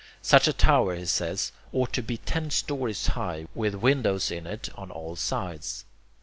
Such a tower, he says, ought to be ten stories high, with windows in it on all sides.